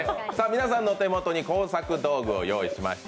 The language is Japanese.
皆さんの手元に工作道具を用意しました。